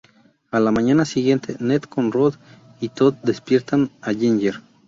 A la mañana siguiente, Ned, con Rod y Todd, despiertan a Ginger.